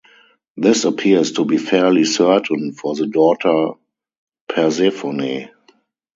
This appears to be fairly certain for the daughter Persephone.